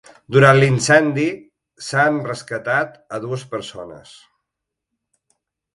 Durant l’incendi s’han rescatat a dues persones.